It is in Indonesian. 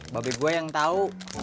babi gue yang tau